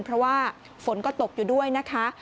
เพราะว่าฝนก็ตกอยู่ด้วยนะคะ